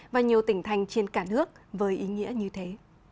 và nhiều tỉnh thành trên cả nước với ý nghĩa như thế